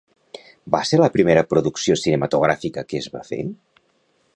Va ser la primera producció cinematogràfica que es va fer?